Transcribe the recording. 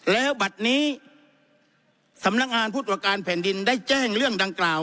แล้วบัตรนี้สำนักงานผู้ตรวจการแผ่นดินได้แจ้งเรื่องดังกล่าว